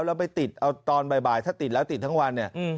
แล้วไปติดเอาตอนบ่ายถ้าติดแล้วติดทั้งวันเนี่ย